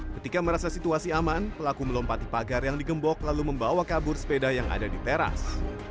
ketika merasa situasi aman pelaku melompati pagar yang digembok lalu membawa kabur sepeda yang ada di teras